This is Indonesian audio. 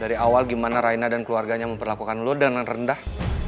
dari awal gimana raina dan keluarganya memperlakukan lu dengan rendah